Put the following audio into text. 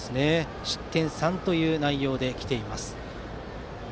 失点３という内容で来ています。